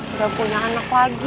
udah punya anak lagi